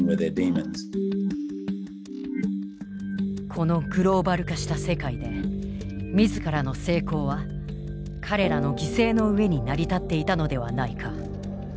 このグローバル化した世界で自らの成功は彼らの犠牲の上に成り立っていたのではないか。